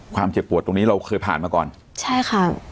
เจ็บปวดตรงนี้เราเคยผ่านมาก่อนใช่ค่ะ